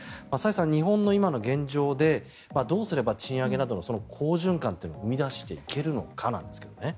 崔さん、日本の今の現状でどうすれば賃上げなどの好循環というのを生み出していけるのかなんですけどね。